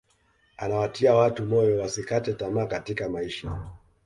anawatia watu moyo wasikate tamaa katika maisha